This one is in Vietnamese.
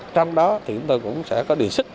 trong đó thì chúng tôi cũng sẽ có đề xuất